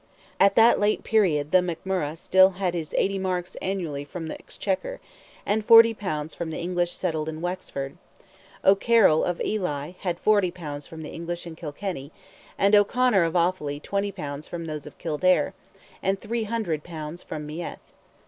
At that late period "the McMurrogh" had still his 80 marks annually from the Exchequer, and 40 pounds from the English settled in Wexford; O'Carroll of Ely had 40 pounds from the English in Kilkenny, and O'Conor of Offally 20 pounds from those of Kildare, and 300 pounds from Meath.